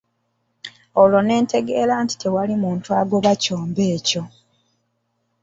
Olwo ne ntegeera nti tewali muntu agoba kyombo ekyo.